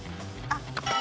あっ。